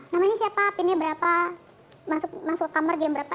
namanya siapa pin nya berapa masuk kamar jam berapa